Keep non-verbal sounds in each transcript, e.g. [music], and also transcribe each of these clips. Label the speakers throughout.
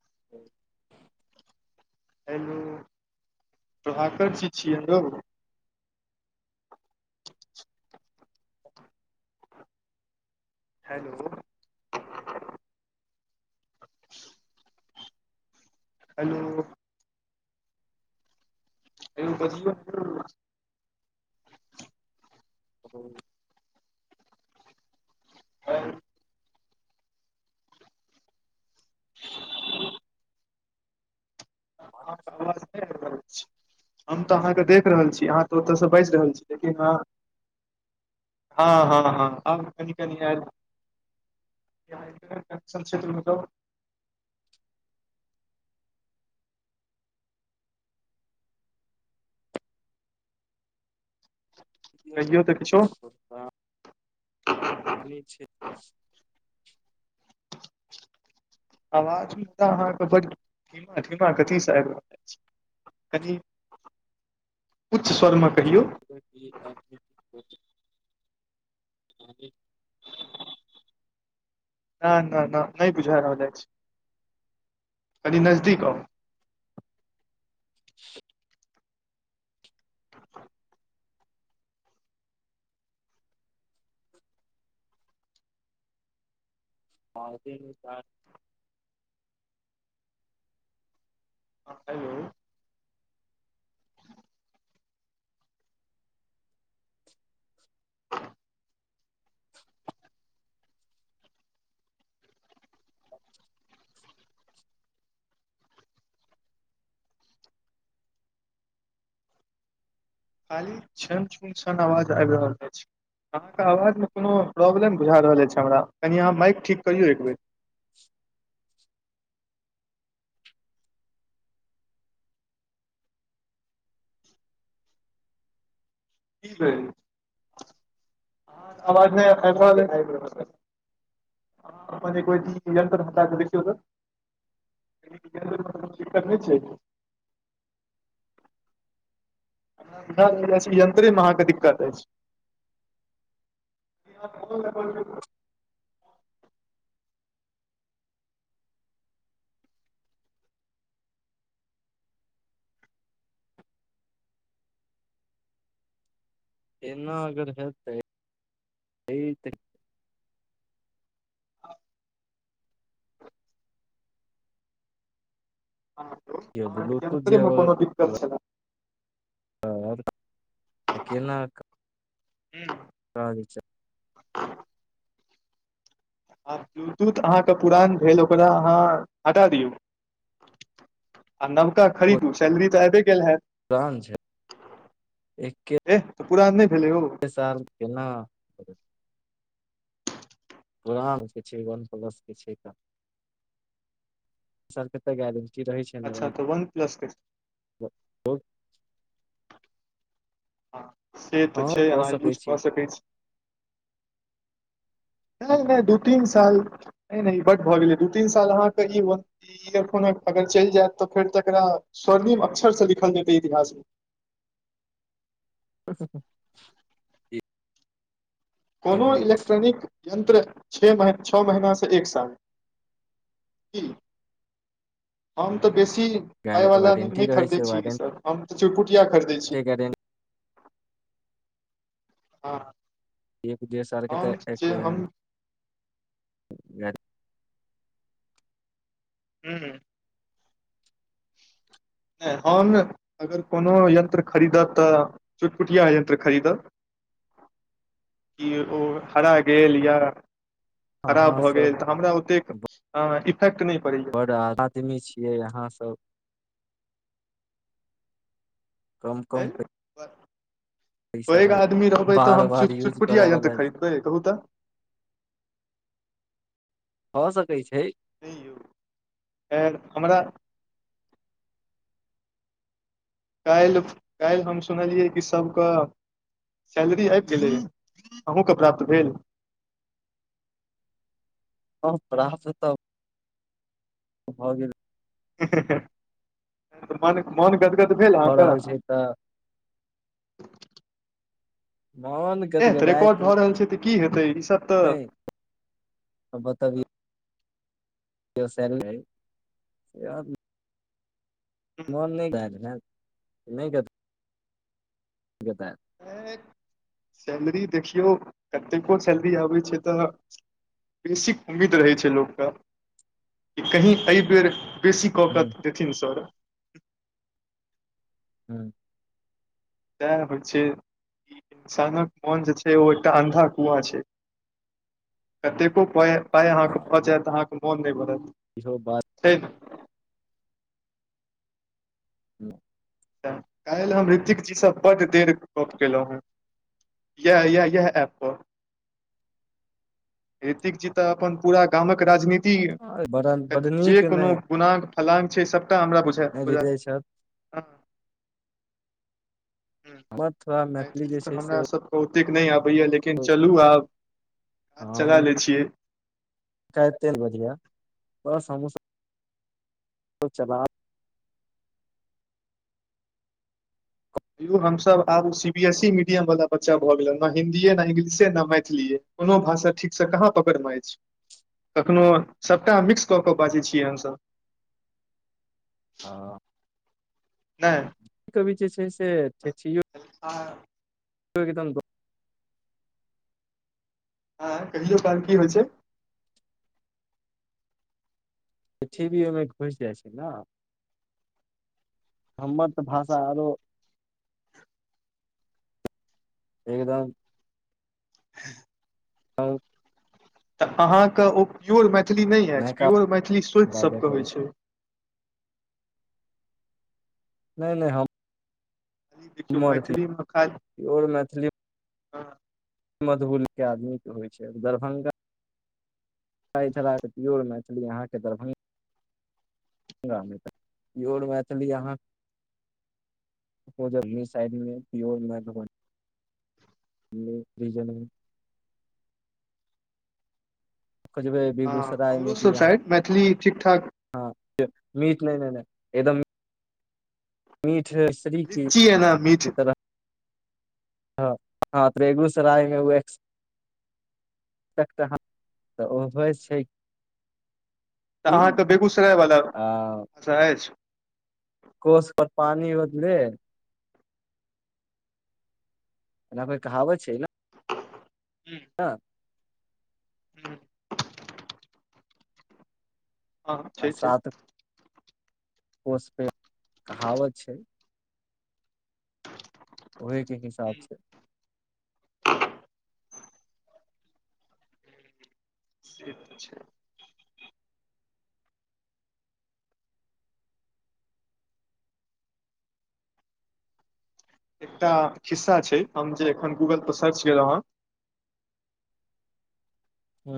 Speaker 1: [inaudible]
Speaker 2: Hello Prabhakar ji छियै यौ। Hello. [inaudible] Hello. बजे।
Speaker 1: त।
Speaker 2: ह। आ। हम तऽ अहाँकेँ देख रहल छी अहाँ तऽ ओतयसँ बाजि रहल छी लेकिन हँ। ह ह ह आब कनि कनि आ। कत्रमेतब कहियौ तऽ किछो
Speaker 1: किता। पनी छै।
Speaker 2: आवाज अहाँकेँ धीमा कथीब कनि उच्च स्वरमे कहि।
Speaker 1: [inaudible] ही।
Speaker 2: ना ना नही बुझा रहल अछि कनि नजदीक आव
Speaker 1: ह। आय दिन रात।
Speaker 2: ऐतयै। खाली छन छन छन आवाज आबि रहल अछि। अहाँकेँ आवाजमे कोनो प्रॉब्लम बुझा रहल अछि हमरा कनि अहाँ माइक ठीक करियौ एकबेर। कि भेल अहँकेँ आवाज नै आबि रहल आबि रहल छल अहाँ एक बेर अपन इ नियत्रन हटा क देखियौ। दिकत नहि छै। हमरा लगय अछि यन्त्रे मे अहाँकेँ दिक्कत अछि [unintelligible]
Speaker 1: एना अगर हेतै। एहि त।
Speaker 2: अहाँकेँ
Speaker 1: ब्लूटूथ जे
Speaker 2: यंत्रमे कोनो दिक्कत छल
Speaker 1: तर तऽ केना
Speaker 2: हू।
Speaker 1: पाँच अ
Speaker 2: आ ब्लूटूथ अहाँकेँ पुरान भेल ओकरा अहाँ हटा दियौ आ नबका खरीदू सैलरी ते आईबे गेल हैत।
Speaker 1: तहन छै ऐके।
Speaker 2: एह त पूरान नहि भेलै ओ।
Speaker 1: साल्त केना। पुरान के छै वन प्लस के छै त। सर पे पैघ ऐल अछि।
Speaker 2: अच्छा त वन प्लस के से तऽ
Speaker 1: हँ
Speaker 2: छै
Speaker 1: कऽ
Speaker 2: अहाँ
Speaker 1: सकै
Speaker 2: यूज
Speaker 1: छी
Speaker 2: कऽ सकैत छी
Speaker 1: [inaudible]
Speaker 2: नहि नहि दू तीन साल नहि ई बड भ गेलै दू तीन साल अहाँकेँ ई ई एखनो अगर चलि जायत तऽ फेर त एकरा स्वर्णिम अक्षर से लिखल जेतै इतिहास म।
Speaker 1: ठीक छै।
Speaker 2: कोनो इलेक्ट्रॉनिक। यन्त्र छे मह छओ महीना से एक साल कि। हम तऽ बेसी पाय वाला
Speaker 1: वारंटी
Speaker 2: नहि
Speaker 1: रहै
Speaker 2: खरीदै छी सर हम तऽ चुरकुटिया खरीदै छै।
Speaker 1: ते गारे।
Speaker 2: हँ
Speaker 1: एक दुइयो साल के तऽ
Speaker 2: हम जे हम
Speaker 1: ऐतेन गैर [unintelligible]
Speaker 2: हुँ नहि हम अगर कोनो यन्त्र खरीदब तऽ चुटपुटिया यन्त्र खरीदब।
Speaker 1: [inaudible]
Speaker 2: कि ओ हरा गेल या खराब
Speaker 1: अहाँ
Speaker 2: भऽ गेल
Speaker 1: सब
Speaker 2: तऽ हमरा ओतेक आ इफेक्ट नहि पड़ै
Speaker 1: बड़ा आदमी छियै अहाँ सब। कम
Speaker 2: हय
Speaker 1: कम
Speaker 2: मरदे
Speaker 1: पैसा
Speaker 2: पैग
Speaker 1: लग
Speaker 2: आदमी रहबै तऽ
Speaker 1: बार
Speaker 2: हम
Speaker 1: बार यूज करऽ
Speaker 2: चूटचुटपुटिया यंत्र
Speaker 1: वाला
Speaker 2: खरीद हे कहू तऽ
Speaker 1: भऽ सकै छै।
Speaker 2: नय यौ एहेन हमरा काल्हि काल्हि हम सुनलियै कि सभके सैलरी आबि गेलै अहुँके प्राप्त भेल
Speaker 1: हँ प्राप्त तऽ भऽ गेल
Speaker 2: मन, मन गदगद भेल
Speaker 1: भऽ
Speaker 2: अहाँके?
Speaker 1: रहल छै तऽ मन
Speaker 2: एह तऽ रिकॉर्ड भऽ रहल छै तऽ की हेतै ई सब
Speaker 1: नय अब बतबियौ वस [unintelligible] मन नय [unintelligible] गद गद जेतय [unintelligible]
Speaker 2: एय सैलरी देखियौ कतेको सैलरी आबै छै तऽ बेसिक उम्मीद रहै छै लोकके, कि कही एहि बेेर बेसी कऽ
Speaker 1: हूँ
Speaker 2: कऽ देथिन सर
Speaker 1: हँ [inaudible]
Speaker 2: तें होइ छै, ई इंसानक मन जे छै ओ एकटा आन्धा कुआँ छै कतेको पाय, पाइ अहाँके
Speaker 1: हँ
Speaker 2: भऽ जायत, अहाँके मोन नय भरत
Speaker 1: इहो बात
Speaker 2: ठीक
Speaker 1: हुँ [inaudible]
Speaker 2: काल्हि हम ऋतिक जीसँ बड्ड देर गप केलौं हेँ येह येह येह एप पर ॠतिक जी तऽ अपन पूरा गामक राजनीति
Speaker 1: बड़
Speaker 2: ति
Speaker 1: बड
Speaker 2: जे
Speaker 1: नीक
Speaker 2: कोनो गुनाग फलांग छै सबटा हमरा बुझ
Speaker 1: नहि हृदय स [unintelligible]
Speaker 2: हँ [inaudible]
Speaker 1: हमर थोड़ा मैथिली जे
Speaker 2: तऽ
Speaker 1: छै
Speaker 2: हमरा
Speaker 1: से
Speaker 2: सभके ओतेक नहि आबैया लेकिन चलू आब काज चला लै छियै।
Speaker 1: ते ब [unintelligible] बढियाँ बस हमहुँ सब चला लै छियै [inaudible]
Speaker 2: यौ हमसब आब C B S E medium वाला बच्चा भऽ गेल ने हिन्दीए, न इंग्लिशे, न मैथिलीए कोनो भाषा ठीकसँ कहाँ पकड़मे आय छै कखनो सभटा मिक्स कऽ बाजै छियै हमसभ।
Speaker 1: ह
Speaker 2: नहि
Speaker 1: क कभी जे छै से।
Speaker 2: अच्छा
Speaker 1: सोखित द।
Speaker 2: हँ कहियो काल की होइ छै।
Speaker 1: पछ भी ओहिमे घुसि जाइ छै, ने हमर तऽ भाषा आरो। एकदम।
Speaker 2: ह।
Speaker 1: हँ।
Speaker 2: तऽ अहाँकेँ ओ प्योर मैथिली नहि अछि,
Speaker 1: नयका
Speaker 2: प्योर मैथिली सोति
Speaker 1: बाजय
Speaker 2: सभके
Speaker 1: के
Speaker 2: होइत छै
Speaker 1: नहि नहि हम।
Speaker 2: खाली देखियौ मैथिलीमे खाल।
Speaker 1: प्योर मैथिली। मधुबुल के आदमीके होइ छै दरभंगा। प्योर मैथिली अहाँकेँ दरभंगा त ईर मैथिली अहाँ। ओनी साइड मे प्योर। तीजन। खोजबै
Speaker 2: हँ
Speaker 1: बेगूसराय मे
Speaker 2: हमरो
Speaker 1: कि
Speaker 2: सब
Speaker 1: यहा।
Speaker 2: साइड मैथिली ठीक ठाक
Speaker 1: हँ मीठ ने ने एकदम। मीठ शरीक
Speaker 2: रिच्ची य ने मीठ
Speaker 1: ई तरह। हँ हँ तऽ बेगूसराय मे। ह तऽ ओ हो छै।
Speaker 2: तऽ
Speaker 1: कि
Speaker 2: अहाँकेँ बेगूसराय वला
Speaker 1: आ
Speaker 2: अछि।
Speaker 1: कोस पर पानी होतले। एना कहावत छै।
Speaker 2: हू।
Speaker 1: ह।
Speaker 2: हू। हँ छै।
Speaker 1: पस पे कहावत छै। ओहे के हिसाबसँ।
Speaker 2: से तऽ छै एकटा खिस्सा छै हम जे एखन गूगल परे सर्च केलहु हे।
Speaker 1: हू।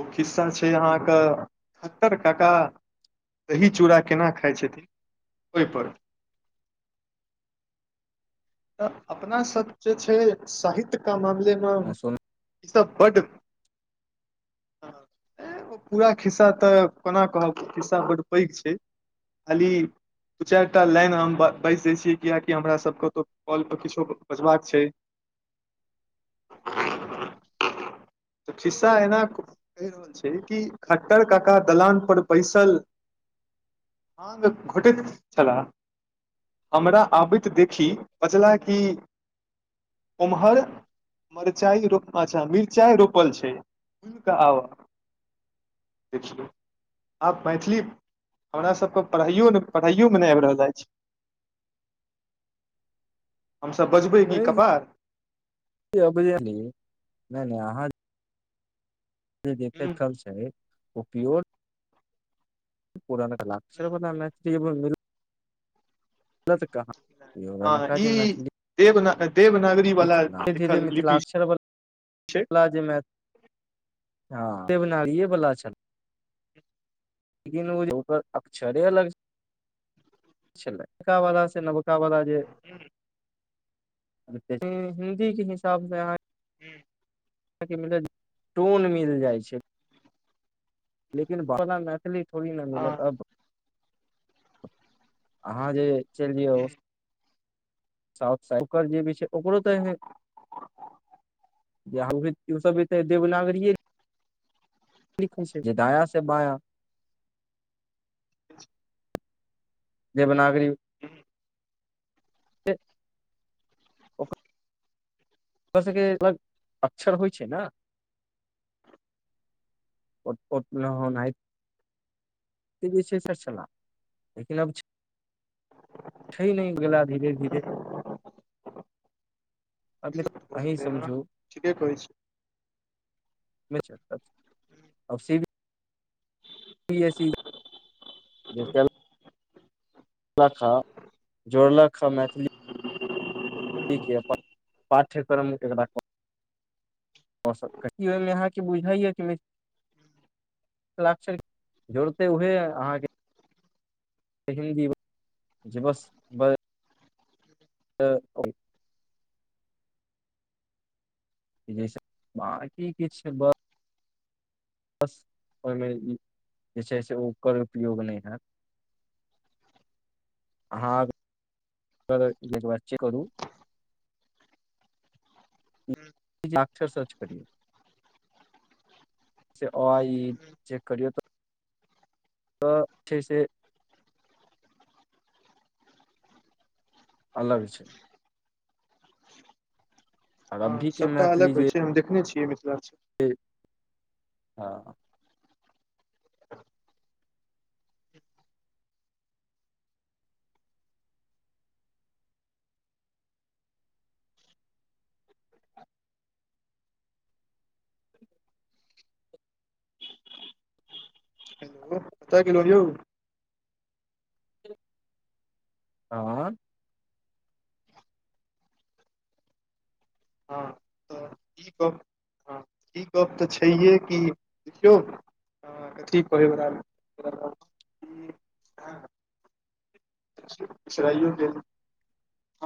Speaker 2: ओ खिस्सा छै अहाँकेँ सहत्तरि टाका दही चूड़ा केना खाइत छथिन ओहि पर तऽ अपना सभ जे छै साहित्यके मामलेमे
Speaker 1: सुन
Speaker 2: ईसभ बड़ पूरा खिस्सा तऽ कोना कहब खिस्सा बड़ पैघ छै। अली। दू चारिटा लाइन हम बसि दय छियै कियाकि हमरा सभकेत कॉल पर किछो बजबाक छै।
Speaker 1: [inaudible]
Speaker 2: तऽ खिस्सा है ने। कहि रहल छै कि खट्टर काका दलान पर बैसल। मग घटैत छलाह। हमरा आबैत देखी पचला कि। उम्हर मिरचाईो अच्छा मिरचाई रोपल छै। आ देखा। आब मैथिली हमर सभके पढ़ाइओ नहि पढ़ाइओमे नहि आबि रहल अछि
Speaker 1: [inaudible]
Speaker 2: हमसभ बजबै कि कपार
Speaker 1: बुझी नहि नहि अहा। देखे
Speaker 2: हूं
Speaker 1: कल छै ओ प्योर। पूर लक रप।
Speaker 2: हूं
Speaker 1: तऽ कहाँ य
Speaker 2: हँ
Speaker 1: रका
Speaker 2: ई
Speaker 1: जे मैथिली
Speaker 2: देवना देवनागर
Speaker 1: ई धीर धी मिथिलाक्षर वला
Speaker 2: छै
Speaker 1: मे देव नार वला छेल लेकिन ओ ओकर अक्षरे अलग लड़का वाला से। [unintelligible]
Speaker 2: जी।
Speaker 1: टोन मिल जाइ छै लेकिन बा मैथिली थोड़ी न
Speaker 2: हँ
Speaker 1: मिलत अब। अहाँ जे चलि जइौ साउथ सएड ओकर जे भी छै ओकरो तऽ जे सभ ते देवनागरीए लिखा जदा से बाया
Speaker 2: [inaudible]
Speaker 1: देवनागरी। ओरा सभकेग अक्षर होइ छै ने पतना जे छैला लेकिनब छै नहि गेला धीरे धीरे। आप
Speaker 2: भऽ
Speaker 1: अही
Speaker 2: गेलै हँ
Speaker 1: समझू
Speaker 2: ठीके कहै छी।
Speaker 1: निा सी। ज। जोड़लख मैथिली
Speaker 2: [unintelligible]
Speaker 1: ठीक या अपन पाठ्यक्रम एकरा आओ सभ की ओहिमे अहाँकेँ बुझाया कि ल्षर जोड़ते उएहे अहाँकेँ हिन्दी बस बस। त ओ जैस बाकी किछु बस बस ओहिमे जे छै से ओकर उपयोग नहि हयैत। हँ एक बात करू अक्षर सर्च करियौ आइ जे करियौ तऽ छै से अलग छै। आओर
Speaker 2: हँ
Speaker 1: अभी के
Speaker 2: सभटा अलग होइ छै हम देखने छियै मिथिला्चल
Speaker 1: ठीक ह।
Speaker 2: हेलो पच किलो यौ।
Speaker 1: आ
Speaker 2: हँ त ई कह की गप तऽ छैहे की देखियौ ह ठीक कहयरा
Speaker 1: [inaudible]
Speaker 2: शराइ ह गेल।